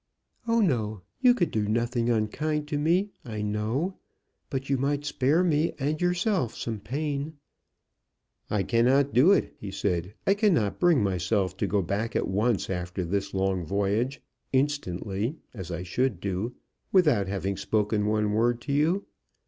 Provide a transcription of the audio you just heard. "Oh no! You could do nothing unkind to me, I know. But you might spare me and yourself some pain." "I cannot do it," he said. "I cannot bring myself to go back at once after this long voyage, instantly, as I should do, without having spoken one word to you.